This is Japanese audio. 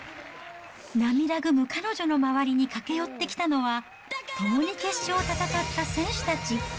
涙ぐむ彼女の周りに駆け寄ってきたのは、共に決勝を戦った選手たち。